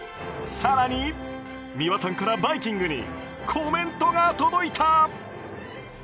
更に、美輪さんから「バイキング」にコメントが届いた。